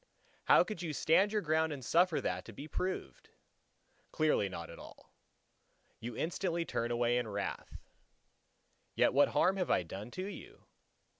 How could you stand your ground and suffer that to be proved? Clearly not at all. You instantly turn away in wrath. Yet what harm have I done to you?